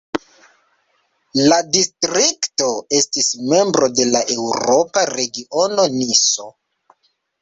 La distrikto estis membro de la Eŭropa regiono Niso.